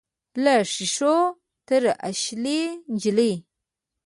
له ښیښو تراشلې نجلۍ.